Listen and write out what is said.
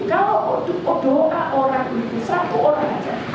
kalau doa orang itu seratus orang saja